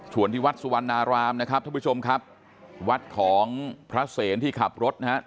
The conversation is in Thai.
ส่วนที่วัดสุวรรณารามนะครับท่านผู้ชมครับวัดของพระเสนที่ขับรถนะครับ